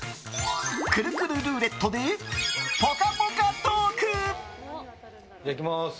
くるくるルーレットでぽかぽかトーク！